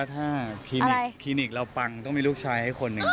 ถ้าคลินิกคลินิกเราปังต้องมีลูกชายให้คนหนึ่ง